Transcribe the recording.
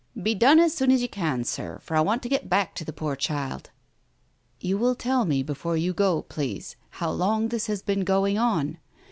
Be done as soon as you can, Sir, for I want to get back to the poor child." "You will tell me before you go, please, how long this has been going on